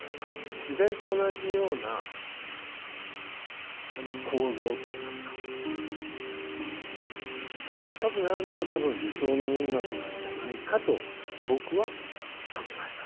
自然と同じような構造といいますかそれに近くなるのが多分理想の音楽なんじゃないかと僕は考えます。